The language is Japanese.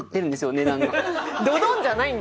値段が。